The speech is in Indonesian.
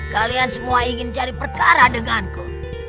kalian semua ingin cari perkara denganku